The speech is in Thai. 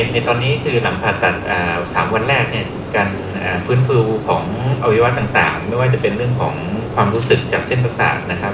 ในตอนนี้คือหลังผ่าตัด๓วันแรกเนี่ยการฟื้นฟูของอวัยวะต่างไม่ว่าจะเป็นเรื่องของความรู้สึกจากเส้นประสาทนะครับ